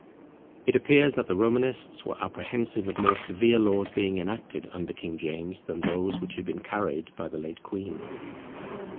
It appears that the Romanists were apprehensive of more severe laws being enacted under King James than those which had been carried by the late queen.